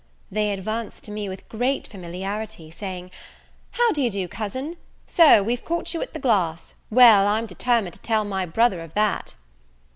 They advanced to me with great familiarity, saying, "How do you do, Cousin? so we've caught you at the glass! well, I'm determined I'll tell my brother of that!"